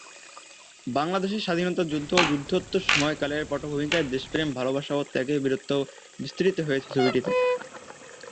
বাংলাদেশের স্বাধীনতা যুদ্ধ এবং যুদ্ধোত্তর সময়কালের পটভূমিকায় দেশপ্রেম, ভালোবাসা এবং ত্যাগের বীরত্ব বিস্তৃত হয়েছে ছবিটিতে।